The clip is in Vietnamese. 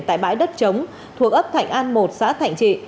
tại bãi đất chống thuộc ấp thạnh an một xã thạnh trị